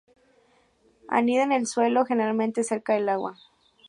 Anida en el suelo, generalmente cerca del agua.